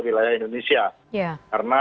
wilayah indonesia karena